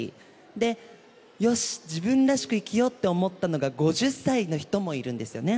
で、よしっ、自分らしく生きようって思ったのが５０歳の人もいるんですよね。